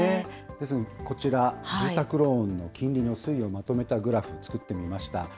ですのでこちら、住宅ローンの金利の推移をまとめたグラフ作ってみました。